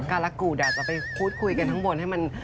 กัลลากุดี่จะไปพูดทุยกันทั้งบนให้มัน